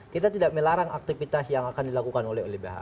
kita tidak melarang aktivitas yang akan dilakukan oleh lbh